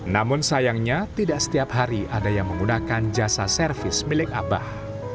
namun sayangnya tidak setiap hari ada yang menggunakan jasa servis milik abah